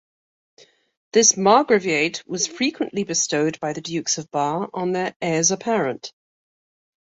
This margraviate was frequently bestowed by the Dukes of Bar on their heirs apparent.